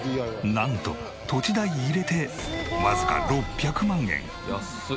なんと土地代入れてわずか６００万円！